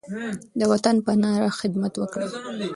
د وطن په نره خدمت وکړئ.